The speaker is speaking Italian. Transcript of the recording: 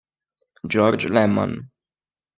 George Lehmann